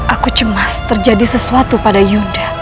aku cemas terjadi sesuatu pada yuda